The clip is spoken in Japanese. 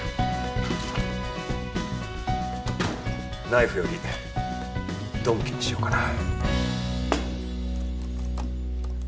ナイフより鈍器にしようかな。